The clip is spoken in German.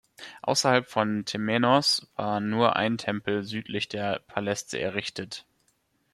Außerhalb vom Temenos war nur ein Tempel südlich der Paläste errichtet.